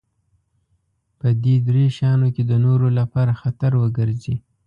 په دې درې شيانو کې د نورو لپاره خطر وګرځي.